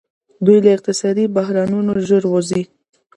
دوی له اقتصادي بحرانونو ژر وځي.